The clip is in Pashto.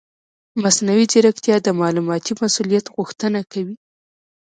مصنوعي ځیرکتیا د معلوماتي مسؤلیت غوښتنه کوي.